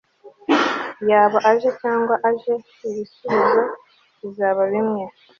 yaba aje cyangwa ataje, ibisubizo bizaba bimwe